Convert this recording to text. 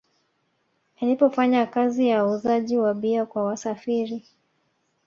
Alipofanya kazi ya uuzaji wa bia kwa wasafiri